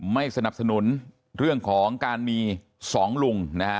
ไม่สนับสนุนเรื่องของการมีสองลุงนะฮะ